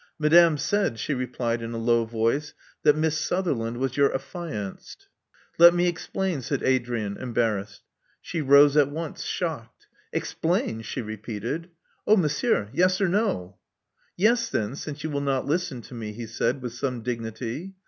Madame said," she replied in a low wioe, "that Miss Sutherland was your affianced." Love Among the Artists 205 "Let me explain," said Adrian, embarrassed. She rose at once, shocked. *' Explain!" she repeated. '*Oh, Monsieur, yes or no?" Yes, then, since you will not listen to me," he said, with some dignity.